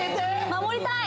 守りたい！